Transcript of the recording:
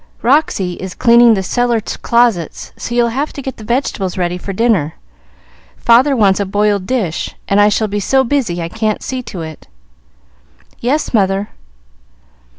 "Roxy is cleaning the cellar closets, so you'll have to get the vegetables ready for dinner. Father wants a boiled dish, and I shall be so busy I can't see to it." "Yes, mother."